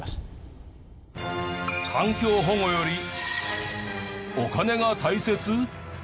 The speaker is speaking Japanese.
環境保護よりお金が大切！？